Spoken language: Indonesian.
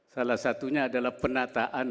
salah satunya adalah penataan